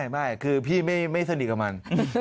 ไม่คือพี่ไม่สนิทกับมัน